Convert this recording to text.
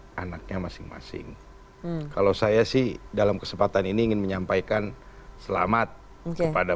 anaknya masing masing kalau saya sih dalam kesempatan ini ingin menyampaikan selamat kepada